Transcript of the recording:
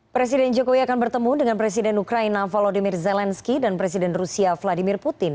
presiden jokowi akan bertemu dengan presiden ukraina volodymyr zelensky dan presiden rusia vladimir putin